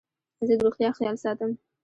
زه د روغتیا خیال ساتم.